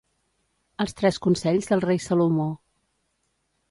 Els tres consells del rei Salomó.